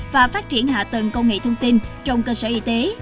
và phát triển hạ tầng công nghệ thông tin trong cơ sở y tế